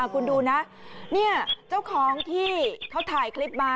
คุณดูนะเจ้าของที่เขาถ่ายคลิปมา